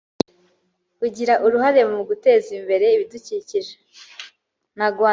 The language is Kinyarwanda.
kugira uruhare mu guteza imbere ibidukikije